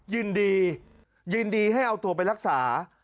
ยินดียินดีให้เอาตัวไปรักษา